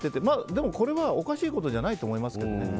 でも、これはおかしいことじゃないと思いますけどね。